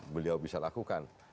beliau bisa lakukan